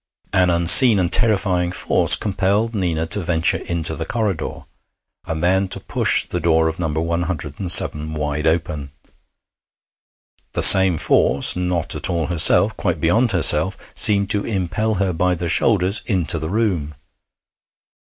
An unseen and terrifying force compelled Nina to venture into the corridor, and then to push the door of No. 107 wide open. The same force, not at all herself, quite beyond herself, seemed to impel her by the shoulders into the room.